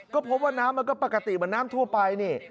ก็พบว่าน้ำมันก็ปกติเหมือนน้ำทั่วไปนี่